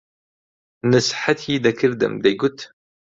نسحەتی دەکردم دەیگوت: